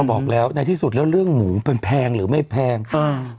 บอกแล้วในที่สุดแล้วเรื่องหมูมันแพงหรือไม่แพงอ่า